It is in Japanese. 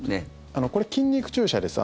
これ、筋肉注射です。